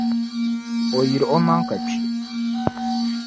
o yil’ omaŋ’ ka kpi.